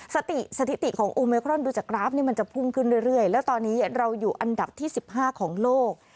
สถิติของโอเมครอนดูจากกราฟนี่มันจะพุ่งขึ้นเรื่อยแล้วตอนนี้เราอยู่อันดับที่๑๕ของโลก